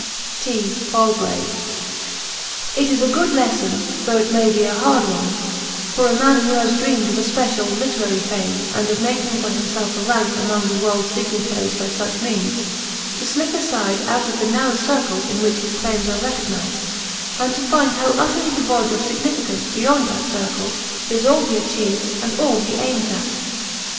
F.T. PALGRAVE. It is a good lesson though it may be a hard one for a man who had dreamed of a special (literary) fame and of making for himself a rank among the world's dignitaries by such means, to slip aside out of the narrow circle in which his claims are recognised, and to find how utterly devoid of significance beyond that circle is all he achieves and all he aims at.